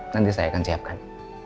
nanti saya akan siapkan